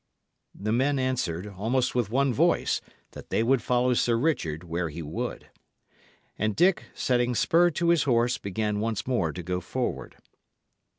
The men answered, almost with one voice, that they would follow Sir Richard where he would. And Dick, setting spur to his horse, began once more to go forward.